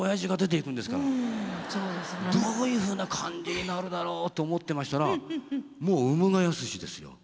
どういうふうな感じになるだろうと思ってましたらもう「産むが易し」ですよ。